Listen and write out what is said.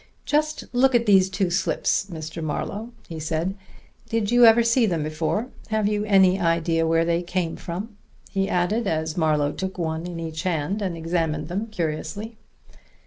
"Just look at these two slips, Mr. Marlowe," he said. "Did you ever see them before? Have you any idea where they come from?" he added, as Marlowe took one in each hand and examined them curiously.